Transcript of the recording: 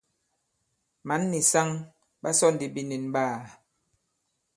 Mǎn nì saŋ ɓa sɔ ndi binīn ɓaā.